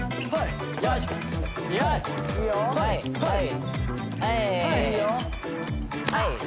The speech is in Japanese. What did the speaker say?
はいはい！